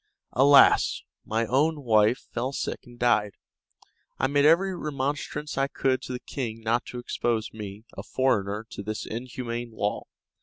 Alas! my own wife fell sick and died. I made every remonstrance I could to the king not to expose me, a foreigner, to this inhuman law.